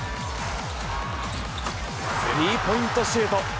スリーポイントシュート。